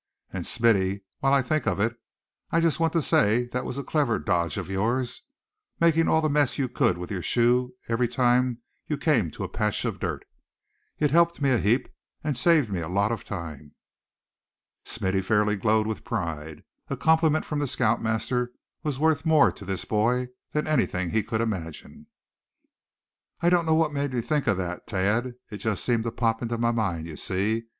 And Smithy, while I think of it I just want to say that was a clever dodge of yours, making all the mess you could with your shoe every time you came to a patch of dirt. It helped me a heap, and saved me a lot of time." Smithy fairly glowed with pride. A compliment from the scout master was worth more to this boy than anything he could imagine. "I don't know what made me think of that, Thad; it just seemed to pop into my mind, you see.